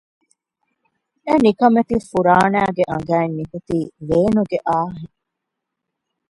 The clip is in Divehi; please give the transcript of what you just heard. އެނިކަމެތި ފުރާނައިގެ އަނގައިން ނިކުތީ ވޭނުގެ އާހް އެއް